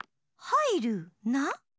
「はいるな」？